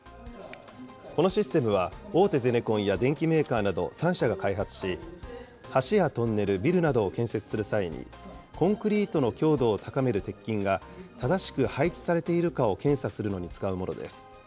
このシステムは、大手ゼネコンや電機メーカーなど３社が開発し、橋やトンネル、ビルなどを建設する際に、コンクリートの強度を高める鉄筋が、正しく配置されているかを検査するのに使うものです。